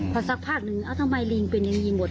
พอสักพักนึงทำไมลิงเป็นอย่างนี้หมด